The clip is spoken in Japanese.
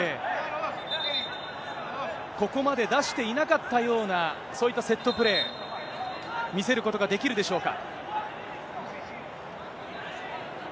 ここまで出していなかったような、そういったセットプレー、見せることができるでしょうか。